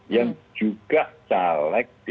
yang juga caleg dpri